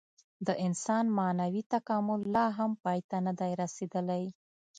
د انسان معنوي تکامل لا هم پای ته نهدی رسېدلی.